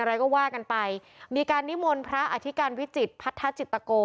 อะไรก็ว่ากันไปมีการนิมนต์พระอธิการวิจิตพัทธจิตโก